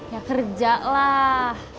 ya kerja lah